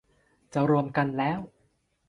จะรวมกันแล้ว